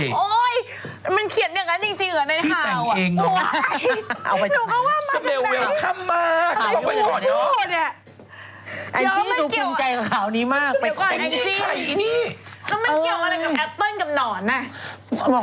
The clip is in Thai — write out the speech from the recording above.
ใช่สิใช้ยาเสบติดน่าจะเป็นฟูได้ยังไงล่ะ